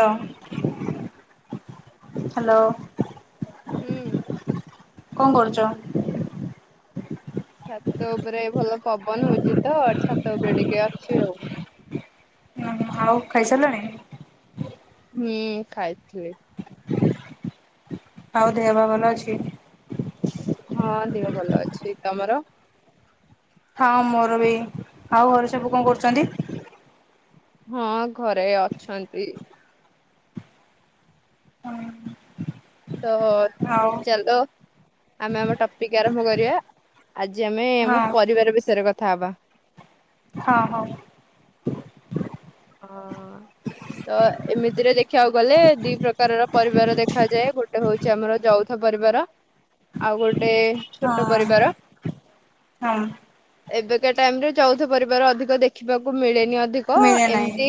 Hello. ହୁଁ। କଣ କରୁଚ? ଛାତ ଉପରେ ଭଲ ପବନ ହଉଛି ତ ଛାତ ଉପରେ ଟିକେ ଅଛି ଆଉ। ହଉ ଖାଇସାରିଲଣି? ମୁଁ ଖାଇଥିଲି। ଆଉ ଦେହ ପା ଭଲ ଅଛି? ହଁ ଦେହ ଭଲ ଅଛି ତମର? ହଁ ମୋର ବି ଆଉ ଘରେ ସବୁ କଣ କରୁଛନ୍ତି? ହଁ ଘରେ ଅଛନ୍ତି। ତ ହୁଁ ଆଉ ଚାଲ ଆମେ ଆମ ଟପିକ ଆରମ୍ଭ କରିବା। ଆଜି ଆମେ ଆମ ହଁ। ପରିବାର ବିଷୟରେ କଥା ହବା। ହଁ ହଉ। ହଁ ତ ଏମିତିରେ ଦେଖିବାକୁ ଗଲେ ଦି ପ୍ରକାରର ପରିବାର ଦେଖାଯାଏ, ଗୋଟ ଗୋଟେ ହଉଛି ଆମର ଯୌଥ ପରିବାର, ଆଉ ଗୋଟେ ଛୋଟ ହଁ। ପରିବାର। ହଁ। ଏବେକା ଟାଇମରେ ଯୌଥ ପରିବାର ଅଧିକ ଦେଖିବାକୁ ମିଳେନି ଅଧି ମିଳେ ନାହିଁ।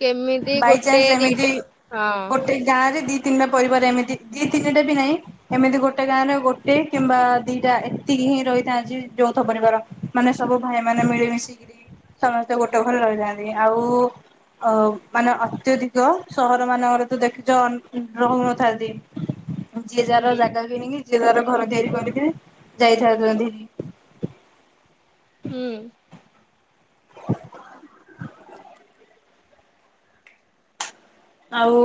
କେମିତି ଗୋଟେ ବାଇଚାନ୍ସ ଏମିତି ଦିଟା ହଁ ଗୋଟେ ଗାଁ ରେ ଦି ତିନିଟା ପରିବାର ଏମିତି ଦି ତିନିଟା ବି ନାଇଁ ଏମିତି ଗୋଟେ ଗାଁରେ ଗୋଟେ କିମ୍ବା ଦିଟା ଏତିକି ହିଁ ରହିଥାନ୍ତି ଯୌଥ ପରିବାର। ମାନେ ସବୁ ଭାଇମାନେ ମିଳିମିଶି କିରି ସମସ୍ତେ ଗୋଟେ ଘରେ ରହିଥାନ୍ତି, ଆଉ ଅ ମାନେ ଅତ୍ୟଧିକ ସହର ମାନଙ୍କରେ ତ ଦେଖିଛ ରହୁନଥାନ୍ତି। ଯିଏ ଯାହାର ହୁଁ ଜାଗା କିଣିକି ଯିଏ ଯା ର ଘର ତିଆରି କରିଥିବେ ଯାଇଥାତତୀ। ହୁଁ। ଆଉ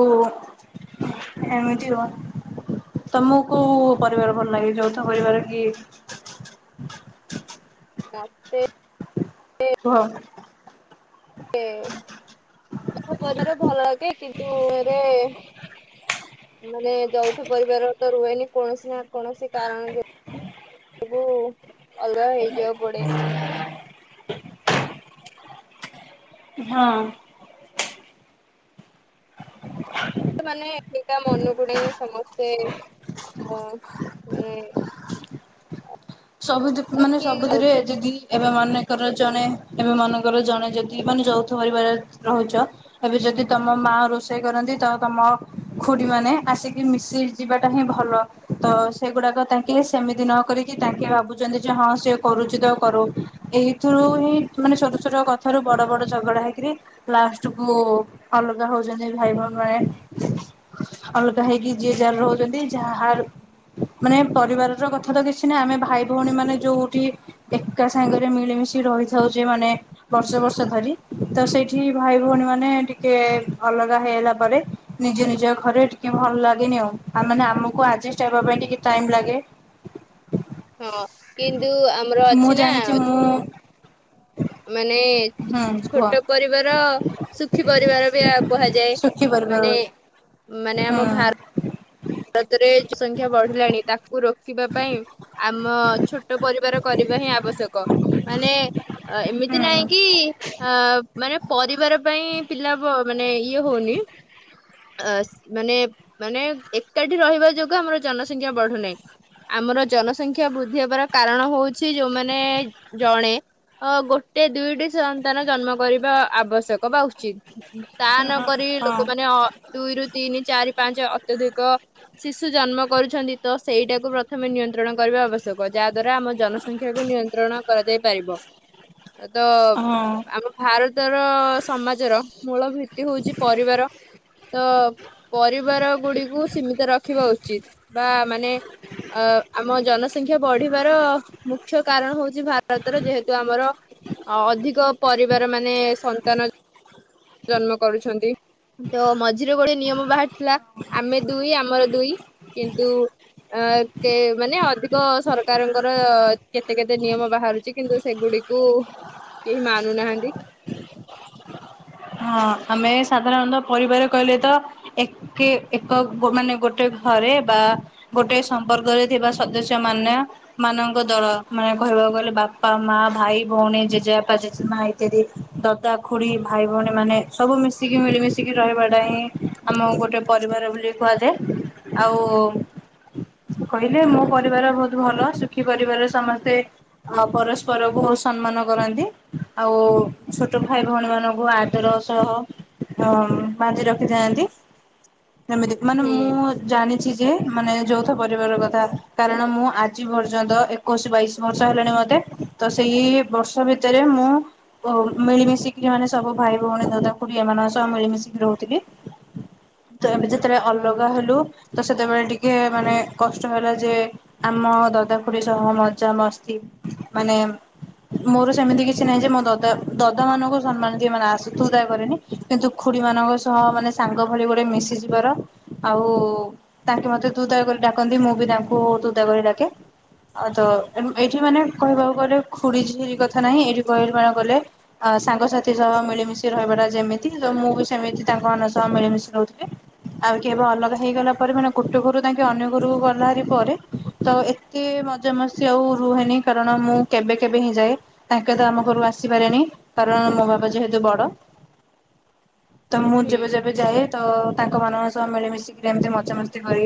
ଏମିତି କୁ ତମକୁ କୋଉ ପରିବାର ଭଲ ଲାଗେ ଯୌଥ ପରିବାର କି ମତେ ଭ କଦାର ଭଲକେ କିନ୍ତୁ ଏରେ ମାନେ ଯୌଥ ପରିବାର ତ ରୁହେନି କୌଣସି ନା କୌଣସି କାରଣ ଯଗୁ ଅଲଗା ହେଇଯିବାକୁ ପଡେ। ହଁ। ମାନେ ଏଠିକା ମନକୁ ନେଇ ସମସ୍ତେ ହଁ ମାନେ ସବୁ ଯ ତ ମାନେ କିଏ ସବୁଥିରେ ଯଦି ଏବେ ମନେକର ଜଣେ ଏବେ ମନେକର ଜଣେ ଯଦି ମାନେ ଯୌଥ ପରିବାରରେ ରହୁଛ ଏବେ ଯଦି ତମ ମା ରୋଷେଇ କରନ୍ତି ତ ତମ ଖୁଡି ମାନେ ଆସିକି ମିଶି ଯିବାଟା ହିଁ ଭଲ। ତ ସେଗୁଡାକ ତାଙ୍କେ ସେମିତି ନ କରିକି ତାଙ୍କେ ଭାବୁଛନ୍ତି ଯେ ହଁ ସେ କରୁଛି ତ କରୁ। ଏଇଥିରୁ ହିଁ ମାନେ ଛୋଟ ଛୋଟ କଥାରୁ ବଡ ବଡ ଝଗଡା ହେଇକିରି ଲାଷ୍ଟ କୁ ଅଲଗା ହଉଛନ୍ତି ଭାଇ ଭଗାରୀ। ଅଲଗା ହେଇକି ଯିଏ ଯାହାର ରହୁଛନ୍ତି ଯାହାର ମାନେ ପରିବାର ର କଥା ତ କିଛି ଆମେ ଭାଇ ଭଉଣୀ ମାନେ ଯୋଉଠି ଏକା ସାଙ୍ଗରେ ମିଳିମିଶି ରହିଥାଉଛେ ମାନେ ବର୍ଷ ବର୍ଷ ଧରି ତ ସେଇଠି ଭାଇ ଭଉଣୀ ମାନେ ଟିକେ ଅଲଗା ହେଇଗଲା ପରେ ନିଜ ନିଜ ଘରେ ଟିକେ ଭଲ ଲାଗେନି ଆଉ ଆ ମାନେ ଆମକୁ ଆଡଜଷ୍ଟ ହେବା ପାଇଁ ଟିକେ ଟାଇମ ଲାଗେ। ହଁ କିନ୍ତୁ ଆମର ମୁଁ ଅଛି ନା ଜାଣିଛି ମୁଁ ମାନେ ହୁଁ କୁହ ଛୋଟ ପରିବାର ସୁଖୀ ପରିବାର ବି କୁହାଯାଏ। ଶୁଖିପାରିବ ମାନେ ହୁଁ ମାନେ ଆମ ଭାର ଭାରତରେ କିଛି ସଂଖ୍ୟା ବଢିଲାଣି ତାକୁ ରୋକିବା ପାଇଁ, ଆମ ଛୋଟ ପରିବାର କରିବା ହିଁ ଆବଶ୍ୟକ। ମାନେ, ଏମିତି ନାଇଁକି ହୁଁ ଅଁ ମାନେ ପରିବାର ପାଇଁ, ପିଲା ମାନେ ଇଏ ହଉନି। ଅ ମାନେ, ମାନେ, ଏକାଠି ରହିବା ଯୋଗୁଁ ଆମର ଜନସଂଖ୍ୟା ବଢୁନାହିଁ। ଆମର ଜନସଂଖ୍ୟା ବୃଦ୍ଧି ହବାର କାରଣ ହଉଛି ଯୋଉମାନେ ଜଣେ ଅ ଗୋଟେ ଦୁଇଟି ସନ୍ତାନ ଜନ୍ମ କରିବା ଆବଶ୍ୟକ ବା ଉଚିତ୍‌। ତା ନକରି, ହଁ ଲୋକମାନେ ଦୁଇରୁ ତିନି, ଚାରି, ପାଞ୍ଚ, ଅତ୍ୟଧିକ ଶିଶୁ ଜନ୍ମ କରୁଛନ୍ତି, ତ ସେଇଟାକୁୁ ପ୍ରଥମେ ନିୟନ୍ତ୍ରଣ କରିବା ଆବଶ୍ୟକ, ଯାହା ଦ୍ଵାରା ଆମ ଜନସଂଖ୍ୟାକୁ ନି ତ୍ରଣ କରାଯାଇ ପାରିବ, ତ ହଁ ଆମ ଭାରତର, ସମାଜର, ମୂଳ ଭିତ୍ତି ହଉଛି ପରିବାର, ତ ପରିବାର ଗୁଡିକୁ ସୀମିତ ରଖିବା ଉଚିତ୍‌, ବା ମାନେ ଅ ଆମ ଜନସ ସଂଖ୍ୟା ବଢିବାର ମୁଖ୍ୟ କାରଣ ହଉଛି ଭାରତର, ଯେହେତୁ ଆମର ଅ ଅଧିକ ପରିବାର ମାନେ ସନ୍ତାନ ଜନ୍ମ କରୁଛନ୍ତି, ତ ମଝିରେ ଗୋଟେ ନିୟମ ବାହାରିଥିଲା, ଆମେ ଦୁଇ, ଆମର ଦୁଇ, କିନ୍ତୁ ଅ କେ ମାନେ ଅଧିକ ସରକାରଙ୍କର କେତେ କେତେ ନିୟମ ବାହାରୁଛି, କିନ୍ତୁ ସେଗୁଡି କୁ, କେହି ମାନୁନାହାନ୍ତି। ହଁ, ଆମେ ସାଧାରଣତଃ ପରିବାର କହିଲେ ତ ଏକେ, ଏକ, ମାନେ ଗୋଟେ ଘରେ ବା ଗୋଟେ ସମ୍ପର୍କରେ ଥିବା ସଦସ୍ୟ ମାନ ମାନଙ୍କ ଦଳ, ମାନେ କହିବାକୁ ଗଲେ ବାପା, ମା, ଭାଇ, ଭଉଣୀ, ଜେଜେବାପା, ଜେଜେମା ଇତ୍ୟାଦି। ଦଦା, ଖୁଡ଼ି, ଭାଇ ଭଉଣୀମାନେ ସବୁ ମିଶିକି, ମିଳିମିଶିକି, ରହିବାଟା ହିଁ ଆମ ଗୋଟେ ପରିବାର ବୋଲି କୁହାଯାଏ। ଆଉ କହିଲେ ମୋ ପରିବାର ବହୁତ ଭଲ, ସୁଖୀ ପରିବାର ସମସ୍ତେ ଅ ପରସ୍ପର ବହୁତ ସମ୍ମାନ କରନ୍ତି, ଆଉ ଛୋଟ ଭାଇ ଭଉଣୀ ମାନ ସୁ ଆଦର ସହ, ଉଁ ବାନ୍ଧି ରଖିଥାନ୍ତି। ସେମିତି, ମାନେ ହୁଁ ମୁଁ ଜାଣିଛି ଯେ, ମାନେ ଯୌଥ ପରିବାର କଥା, କାରଣ ମୁଁ ଆଜି ପର୍ଯ୍ୟନ୍ତ ଏକୋଇଶ ବାଇଶି ବର୍ଷ ହେଲାଣି ମତେ, ତ ସେଇ ବର୍ଷ ଭିତରେ ମୁଁ ବହୁତୁ, ମିଳିମିଶିକି ମାନେ ସବୁ ଭାଇ ଭଉଣୀ, ଦଦା, ଖୁଡି ଏମାନଙ୍କ ସହ ମିଳିମିଶିକି ରହୁଥିଲି। ତ ଆମେ ଯେତେବେଳେ ହୁଁ ଅଲଗା ହେଲୁ, ତ ସେତେବେଳେ ଟିକେ ମାନେ କଷ୍ଟ ହେଲା ଯେ ଆମ ଦଦାଖୁୁଡି ସବୁ ମଜା ମସ୍ତି ମାନେ ମୋର ସେମିତି କିଛି ନାହିଁ ଯେ, ମୋ ଦଦା, ଦଦା ମାନଙ୍କୁ ସମ୍ମାନ ଏମାନେ ଆସୁ ତୁ ତା କରେନି, କିନ୍ତୁ ଖୁଡି ମାନଙ୍କ ସହ ମାନେ ସାଙ୍ଗ ଭଳି ଗୋଟେ ମିଶିଯିବାର ଆଉ, ତାଙ୍କେ ମତେ ତୁ ତା କରି ଡାକନ୍ତି, ମୁଁ ବି ତାଙ୍କୁ ତୁ ତା କରି ଡାକେ। ଆଉ ତ, ଏଇଠି ମାନେ କହିବାକୁ ଗଲେ ଖୁଡିଝିଆରି କଥା ନାହିଁ, ଏଇଠି କହିବା ପାଇଁ ଗଲେ ଆ ସାଙ୍ଗ ସାଥି ସବୁ ସହ ମିଳିମିଶି ରହିବାଟା ଯେମିତି, ତ ମୁଁ ବି ସେମିତି ତାଙ୍କ ମାନଙ୍କ ସହ ମିଳିମିଶି ରହୁଥିଲି। ଆଉ କେବେ ଅଲଗା ହେଇଗଲା ପରେ, ମାନେ ଗୋଟେ ଘରୁ ତାଙ୍କେ ଅନ୍ୟ ଘରୁକୁ ଗଲାହାରି ପରେ ତ, ଏତେ ମଜାମସ୍ତି ଆଉ ରୁହେନି, କାରଣ ମୁଁ କେବେ କେବେ ହିଁ ଯାଏ। ତାଙ୍କେ ତ, ଆମ ଘରୁ ଆସିପାରେନି, କାରଣ ମୋ ବା ଯେହେତୁ ବଡ, ତ ମୁଁ ଯେବେ ଯେବେ ଯାଏ ତ ତାଙ୍କ ମାନଙ୍କ ସହ ମିଳିମିଶିକିରି ଏମତି ମଜାମସ୍ତି କରି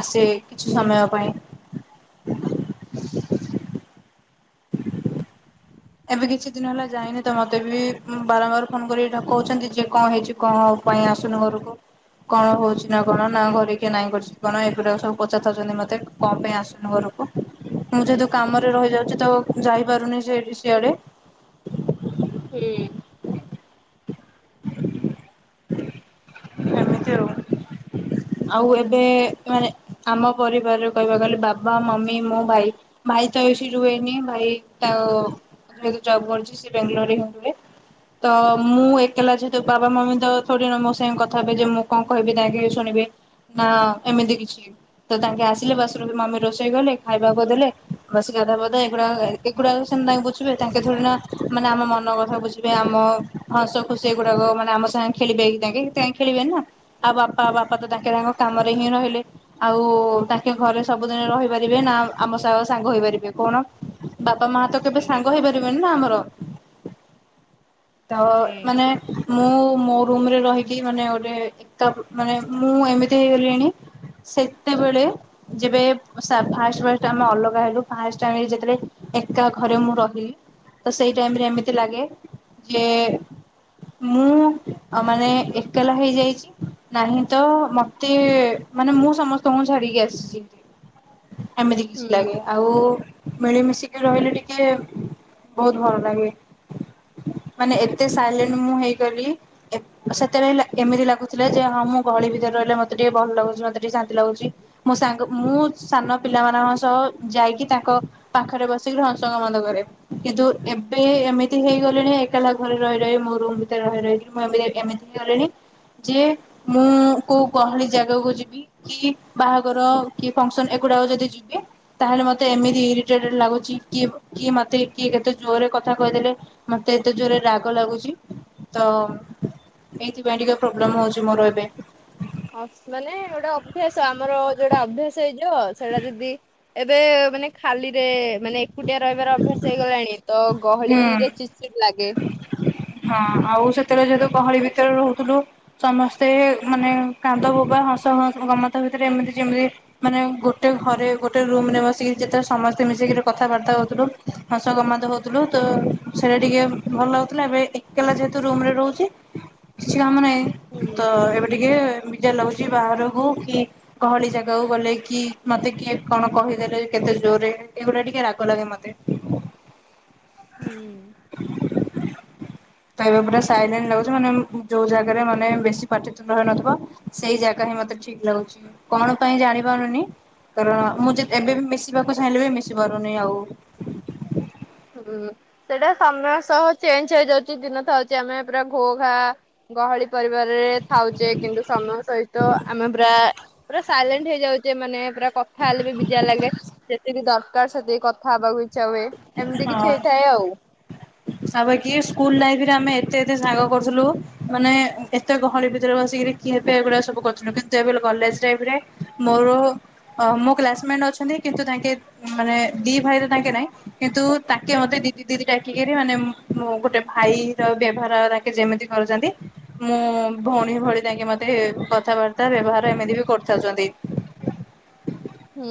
ଆସେ, କିଛି ସମୟ ପାଇଁ। ଏବେ କିଛି ଦିନ ହେଲା ଯାଇନି ତ ମୋତେ ବି ଉଁ, ବାରମ୍ବାର ଫୋନ୍ କରିକି ଡକଉଛନ୍ତି ଯେ କଣ ହେଇଛି କଣ ପାଇଁ ଆସୁନୁ ଘରକୁ। କଣ ହଉଛି ନା କଣ ନା ଘରେ କିଏ ନାଇଁ କରିଚି କି କଣ ଏଗୁଡା ସବୁ ପଚାରଥାଉଚନ୍ତି ମୋତେ, କଣ ପାଇଁ ଆସୁନୁ ଘରୁ କୁ ମୁଁ ଯେହେତୁ କାମରେ ରହିଯାଉଛି ତ ଯାଇପାରୁନି ସେଠି ସିଆଡେ। ହୁଁ। ଏମିତି ଆଉ। ଆଉ ଏବେ ମାନେ ଆମ ପରିବାରରେ କହିବାକୁ ଗଲେ ବାବା, ମମି, ମୁଁ, ଭାଇ। ଭାଇ ତ ଏଇଠି ରୁହେନି, ଭାଇ ତାଅ ଯେହେତୁ ଜବ୍ କରିଛି ସିଏ ବେଙ୍ଗଲୋରରେ ହିଁ ରୁହେ। ତ ମୁଁ ଏ କେଲା ଯେହେତୁ ବାବା ମମି ତ ଥଡିନା ମୋ ସାଙ୍ଗେ କଥା ହେବେ ଯେ ମୁଁ କଣ କିହିବି ତାକି ଶୁଣିବେ। ହଁ ଏମିତି କିଛି। ତ ତାଙ୍କେ ଆସିଲେ ବସରୁ ବି ମମି ରୋଷେଇ କଲେ ଖାଇବାକୁ ଦେଲେ, ବସି ଗାଧୁଆ ପାଧୁଆ ଏଗୁଡାକ ଏ ଏଗୁଡ଼ାକ ସେମ ତାଙ୍କ ବୁଝିବେ ତାଙ୍କେ ଥଡିନା ମାନେ ଆମ ମନ କଥା ବୁଝିବେ, ଆମ ହସ ତ ସେ ଗୁଡ଼ାକ ମାନେ ଆମ ସାଙ୍ଗେ ଖେଳିବେ କି ତାଙ୍କେ, ତାଙ୍କ ଖେଳିବେନି ନା। ଆଉ ବାପା, ବାପା ତ ତାଙ୍କେ ତାଙ୍କ କାମରେ ହିଁ ରହିଲେ। ଆଉ ତାଙ୍କେ ଘରେ ସବୁଦିନେ ରହିପାରିବେ ନା ଆଉ ଆମ ସହ ସାଙ୍ଗ ହେଇପାରିବେ କହୁନ? ବାପା ମା ତ କେବେ ସାଙ୍ଗ ହେଇପାରିବେନି ନା ଆମର? ତ ହୁଁ ଏଁ, ମୁଁ ମୋ ରୁମ୍ ରେ ରହିକି ମାନେ ଗୋଟେ ଏ ତ ମାନେ ମୁଁ ଏମିତି ହେଇଗଲିଣି ସେତେବେଳେ ଯେବେ ସା-ଫାଷ୍ଟ ଫାଷ୍ଟ ଆମେ ଅଲଗା ହେଲୁ ଫାଷ୍ଟ ଆମେ ଯେତେଳେ ଏକା ଘରେ ମୁଁ ରହିଲି ତ ସେଇ ଟାଇମ୍ ରେ ଏମିତି ଲାଗେ ଯେ ମୁଁ ଆଉ ମାନେ ଏକଲା ହେଇଯାଇଚି ନାହିଁ ତ ମୋତେ ମାନେ ମୁଁ ସମସ୍ତଙ୍କୁ ଛାଡିକି ଆସିଛି [inaudible] ଏମିତି କିଛି ହୁଁ ଲାଗେ, ଆଉ ମିଳିମିଶିକି ରହିଲେ ଟିକେ ବହୁତ ଭଲ ଲାଗେ, ମାନେ ଏତେ ସାଇଲେଣ୍ଟ ମୁଁ ହେଇଗଲି ଏ ତ ସେତେବେଳେ ଲେ- ଏମିତି ଲାଗୁଥିଲା ଯେ ହଁ ମୁଁ ଗହଳି ଭିତରେ ରହିଲେ ମୋତେ ଟିକେ ଭଲ ଲାଗୁଛି, ମୋତେ ଟିକେ ଶାନ୍ତି ଲାଗୁଚି। ମୋ ସାଙ୍ଗ, ମୁଁ ସାନ ପିଲାମାନଙ୍କ ସହ ଯାଇକି ତାଙ୍କ ପାଖରେ ବସିକିରି ହଂସଙ୍ଗ ବନ୍ଧ କରେ, କିନ୍ତୁ ତ ଏବେ ଏମିତି ହି ହେଇଗଲେଣି ଏକେଲା ଘରେ ରହି ରହି ମୁଁ ରୁମ୍ ଭିତରେ ରହି ରହିିକିରି ମୁଁ ଏମ୍ବି ଯାଇ ଏମିତି ହେଇଗଲିଣି। ଯେ ମୁଁ କୋଉ ଗହଳି ଜାଗାକୁ ଯିବି କି ବାହାଘର କି ଫଙ୍କସନ୍ ଏଗୁଡାକ ଯଦି ଯିବେ ତାହେଲେ ମୋତେ ଏମିତି ଇରିଟେଡ୍ ଲାଗୁଛି କି, କି ମୋତେ କିଏ କେତେ ଜୋରରେ କଥା କହିଦେଲେ ମୋତେ ଏତେ ଜୋରରେ ରାଗ ଲାଗୁଚି। ତ ଏଇଥିପାଇଁ ଟିକେ ପ୍ରୋବ୍ଲେମ୍ ହଉଛି ମୋର ଏବେ। ଅସ୍ ମାନେ ଗୋଟେ ଅଭ୍ୟାସ ଆମର ଯୋଉଟା ଅଭ୍ୟାସ ହେଇଯିବ ସେଇଟା ଯଦି ଏବେ ମାନେ ଖାଲିରେ ମାନେ ଏକୁଟିଆ ରହିବାର ଅଭ୍ୟାସ ହେଇଗଲାଣି ତ ହୁଁ। ଗହଳିରେ ଚି ଚିଡ଼୍ ଲାଗେ। ହଁ ଆଉ ସେତେଳେ ଯେହେତୁ ଗହଳି ଭିତରେ ରହୁଥୁଲୁ ସମସ୍ତେ ମାନେ କାନ୍ଦ ବୋବା ହଁସ ହଁ ଗମତ ଭିତରେ ଏମିତି ଯେମିତି ମାନେ ଗୋଟେ ଘରେ ଗୋଟେ ରୁମ୍ ରେ ବସିକି ଯେତେବେଳେ ସମସ୍ତେ ମିଶିକିରି କଥାବାର୍ତ୍ତା ହଉଥିଲୁ ହସ ପ୍ରମାଦ ହଉଥୁଲୁ ତ ସେଇଟା ଟିକେ ଭଲ ଲାଗୁଥିଲା ଏବେ ଏ କେଲା ଯେହେତୁ ରୁମ୍ ରେ ରହୁଛି, କିଛି କାମ ନାହିଁ ହୁଁ। ତ ଏବେ ଟିକିଏ ବିଜାର ଲାଗୁଚି ବାହାରକୁ କି ଗହଳି ଜାଗାକୁ ଗଲେ କି ମତେ କିଏ କଣ କହିଦେଲେ କେତେ ଜୋରରେ ଏଇଗୁଡା ଟିକେ ରାଗ ଲାଗେ ମତେ। ହୁଁ। ଏବେ ପୁରା ସାଇଲେଣ୍ଟ ଲାଗୁଚି ମାନେ ମ୍ ଯୋଉ ଜାଗାରେ ମାନେ ବେଶୀ ପାଟି ତୁଣ୍ଡ ହେଇନଥିବ ସେଇ ଜାଗା ହିଁ ମତେ ଠିକ ଲାଗୁଚି। କଣ ପାଇଁ ଜାଣି ପାରୁନି କାରଣ ମୁଁ ଯଦି ଏବେ ବି ମିଶିବାକୁ ଚାହିଁଲେ ବି ମିଶି ପାରୁନି ଆଉ। ହୁଁ ସେଇଟା ସମୟ ସହ ଚେଞ୍ଜ ହେଇଯାଉଛି ଦିନ ଥାଉଛି ଆମେ ପୁରା ଘୋ ଘା ଗହଳି ପରିବାରରେ ଥାଉଚେ କିନ୍ତୁ ସମୟ ସହିତ ଆମେ ପୁରା ପୁରା ସାଇଲେଣ୍ଟ ହେଇଯାଉଚେ ମାନେ ପୁରା କଥା ହେଲେ ବି ବିଜାର ଲାଗେ ଯେତିକି ଦରକାର ସେତିକି କଥା ହବାକୁ ଇଚ୍ଛା ହୁଏ। ଏମିତି ହଁ। କିଛି ହେଇଥାଏ ଆଉ ବାକି ସ୍କୁଲ ଲାଇଫ୍ ରେ ଆମେ ଏତେ ଏତେ ସାଙ୍ଗ କରୁଥିଲୁ ମାନେ ଏତେ ଗହଳି ଭିତରେ ବସିକିରି କିଏ ଏଭଳିଆ ସବୁ କରୁଥିଲୁ କିନ୍ତୁ ଏବେ ଲୋ କଲେଜ ଲାଇଫ୍ ରେ ମୋର ଅ ମୋ କ୍ଲାସମେଣ୍ଟ ଅଛନ୍ତି କିନ୍ତୁ ତାଙ୍କେ ମାନେ ଦି ଭାଇ ରେ ତାଙ୍କେ ନାହିଁ। କିନ୍ତୁ ତାଙ୍କେ ମତେ ଦିଦି ଦିଦି ଡାକିକିରି ମାନେ ମ୍ ମ ଗୋଟେ ଭାଇ ର ବ୍ୟବହାର କେ ଯେମିତି କରୁଚନ୍ତି ମୁଁ ଭଉଣୀ ଭଳି ତାଙ୍କେ ମତେ କଥାବାର୍ତ୍ତା ବ୍ୟବହାର ଏମିତି ବି କରିଥାଉଚନ୍ତି। [inaudible] ହୁଁ।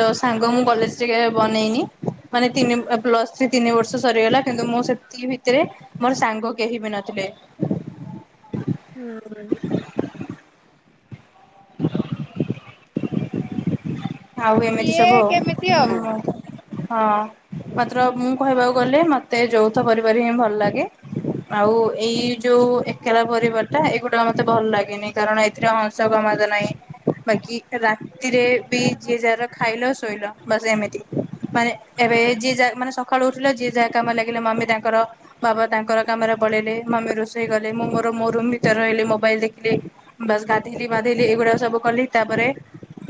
ତ ସାଙ୍ଗ ମୁଁ କଲେଜ ଟିକେ ବନେଇନି ମାନେ ତିନି ପ୍ଲସ ଥ୍ରୀ ତିନି ବର୍ଷ ସରିଗଲା କିନ୍ତୁ ମୁଁ ସେତିକି ଭିତରେ ମୋର ସାଙ୍ଗ କେହି ବି ନଥିଲେ। ହୁଁ। [inaudible] ଆଉ ଏମିତି କିଏ ସବୁ ଆଉ କେମିତି ଆଉ। ହୁଁ। ହଁ ମାତ୍ର ମୁଁ କହିବାକୁ ଗଲେ ମତେ ଯୌଥ ପରିବାର ହିଁ ଭଲ ଲାଗେ। ଆଉ ଏଇ ଯୋଉ ଏକଲା ପରିବାର ଟା ଏଇଗୁଡା ମତେ ଭଲ ଲାଗେନି କାରଣ ଏଥିରେ [unintelligible] ନାହିଁ ବାକି ରାତିରେ ବି ଯିଏ ଯାହାର ଖାଇଲ ଶୋଇଲ ବାସ ଏମିତି। ମାନେ ଏବେ ହୁଁ। ଯିଏ ଯା ମାନେ ସକାଳୁ ଉଠିଲ ଯିଏ ଯାହା କାମରେ ଲାଗିଲ ମମି ତାଙ୍କର ବାବା ତାଙ୍କର କାମରେ ପଳେଇଲେ ମମି ରୋଷେଇ କଲେ ମୁଁ ମୋର ମୋ ରୁ ଭିତରେ ରହିଲି ମୋବାଇଲ ଦେଖିଲି। ବାସ୍ ଗାଧେଇଲି ପାଧେଇଲି ଏଗୁଡାକ ସବୁ କଲି ତାପରେ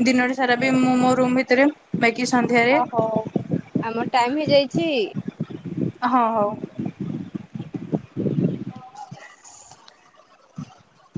ଦିନଟି ସାରା ବି ମୁଁ ମୋ ରୁମ୍ ଭିତରେ ବାକି ସନ୍ଧ୍ୟାରେ ଓହୋ ଆମ ଟାଇମ୍ ହେଇଯାଇଚି। ହଁ ହଉ। [inaudible] ହ [inaudible]